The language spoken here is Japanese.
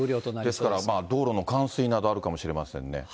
ですから道路の冠水など、あるかもしれませんね。